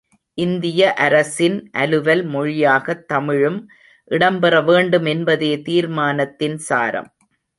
இந்திய அரசின் அலுவல் மொழியாகத் தமிழும் இடம்பெறவேண்டும் என்பதே தீர்மானத்தின் சாரம்.